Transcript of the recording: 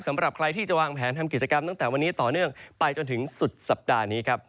สำหรับใครที่จะวางแผนทำกิจกรรมตั้งแต่วันนี้ต่อเนื่องไปจนถึงสุดสัปดาห์นี้ครับ